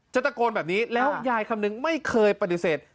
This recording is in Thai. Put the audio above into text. ตะโกนแบบนี้แล้วยายคำนึงไม่เคยปฏิเสธ